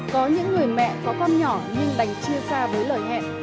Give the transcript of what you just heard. có những người mẹ có con nhỏ nhưng đành chia xa với lời hẹn